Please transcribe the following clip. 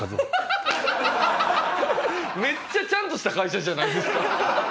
めっちゃちゃんとした会社じゃないですか。